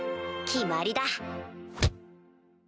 決まりだ。